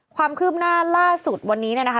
ความคืบหน้าล่าสุดวันนี้เนี่ยนะคะ